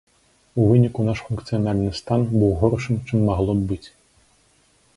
У выніку наш функцыянальны стан быў горшым, чым магло б быць.